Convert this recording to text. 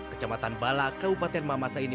kecamatan bala kabupaten mamasa ini